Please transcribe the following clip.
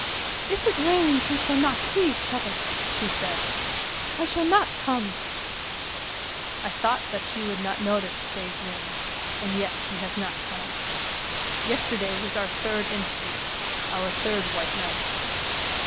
"If it rains we shall not see each other," she said, " I shall not come." I thought that she would not notice to day's rain, and yet she has not come. ^. Yesterday was our third interview, our third white night.